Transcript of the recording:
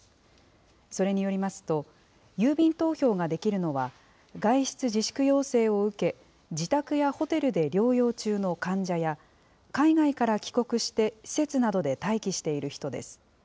それによりますと、郵便投票ができるのは、外出自粛要請を受け、自宅やホテルで療養中の患者や、海外から帰国して施設などで待機している人です。